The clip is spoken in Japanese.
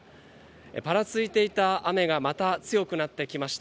ぱらついた雨がまだ強くなってきました。